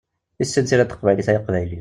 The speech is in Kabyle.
Issin tira n teqbaylit ay aqbayli!